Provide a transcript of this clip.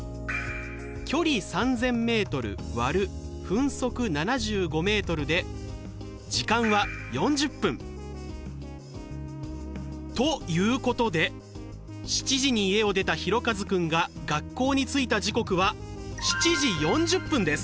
距離３０００ｍ割る分速７５ｍで時間は４０分。ということで７時に家を出たひろかずくんが学校に着いた時刻は７時４０分です。